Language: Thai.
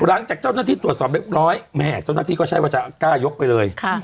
แล้วหลังจากเจ้านที่ตรวจสอบเรียบร้อยแหมจากเจ้านที่ก็ใช่ว่าจะยกไปเลยค่ะ